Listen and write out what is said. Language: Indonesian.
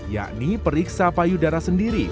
yakni periksa payudara sendiri